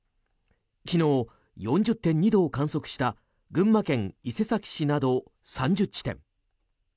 昨日、４０．２度を観測した群馬県伊勢崎市など３０地点。